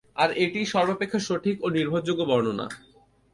আর এটিই সর্বাপেক্ষা সঠিক ও নির্ভরযোগ্য বর্ণনা।